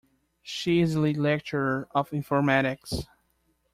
She is the lead lecturer of informatics.